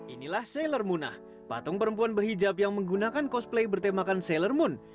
inilah seiler moonah patung perempuan berhijab yang menggunakan cosplay bertemakan seiler moon